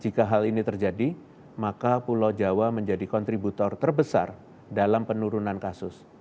jika hal ini terjadi maka pulau jawa menjadi kontributor terbesar dalam penurunan kasus